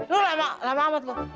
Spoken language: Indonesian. lu lama amat loh